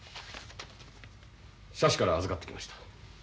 社主から預かってきました。